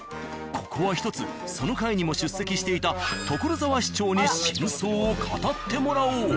ここはひとつその会にも出席していた所沢市長に真相を語ってもらおう。